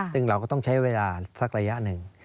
ซึ่งเราก็ต้องใช้เวลาสักระยะหนึ่ง